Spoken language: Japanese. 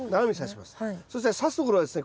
そしてさすところはですね